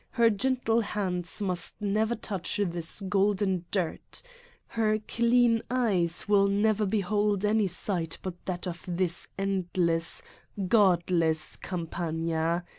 Her gentle hands must never touch this golden dirt, Her clean eyes will never behold any sight but that of this endless, godless Campagna.